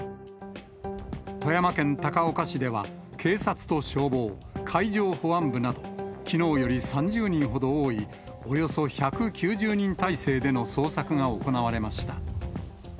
富山県高岡市では、警察と消防、海上保安部など、きのうより３０人ほど多い、およそ１９０人態勢での捜索が行われました。